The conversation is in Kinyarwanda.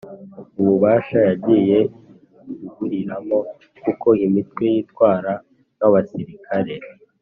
Ububasha yagiye iburiramo kuko imitwe yitwara nk abasirikare